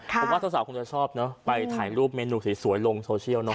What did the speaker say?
ผมว่าสาวคงจะชอบเนอะไปถ่ายรูปเมนูสวยลงโซเชียลเนอ